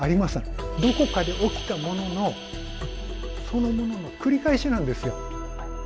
どこかで起きたもののそのものの繰り返しなんですよ。